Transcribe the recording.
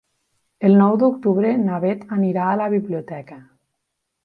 El nou d'octubre na Beth anirà a la biblioteca.